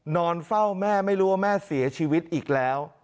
นอนเฝ้าแม่ไม่รู้ว่าแม่เสียชีวิตอีกแล้ว